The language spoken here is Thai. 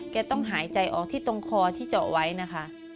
ต้องหายใจออกที่ตรงคอที่เจาะไว้นะคะ